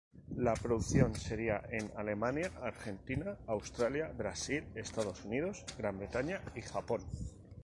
La producción sería en Alemania, Argentina, Australia, Brasil, Estados Unidos, Gran Bretaña y Japón.